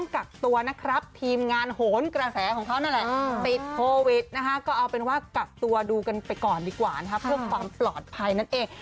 กักตัวนะครับทีมงานโหนกระแสของเขานั่นแหละติดโควิดนะคะก็เอาเป็นว่ากักตัวดูกันไปก่อนดีกว่านะครับเพื่อความปลอดภัยนั่นเอง